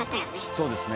そうですね。